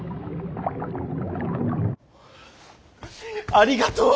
ありがとう！